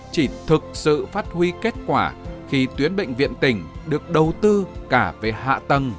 chỉ thực sự phát huy kết quả khi tuyến bệnh viện tỉnh được đầu tư cả về hạ tầng